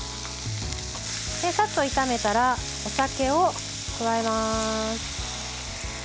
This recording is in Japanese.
さっと炒めたら、お酒を加えます。